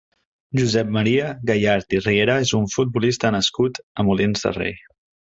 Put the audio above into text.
Josep Maria Gallart i Riera és un futbolista nascut a Molins de Rei.